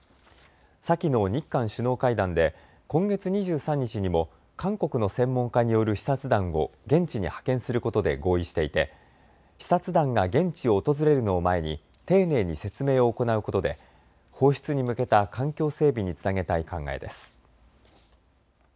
先の日韓首脳会談で今月２３日にも韓国の専門家による視察団を現地に派遣することで合意していて視察団が現地を訪れるのを前に丁寧に説明を行うことで放出に向けた環境整備につなげたい考えです。